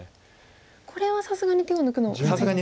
これはさすがに手を抜くのはまずい。